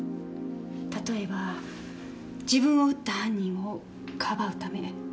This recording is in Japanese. たとえば自分を撃った犯人をかばうため。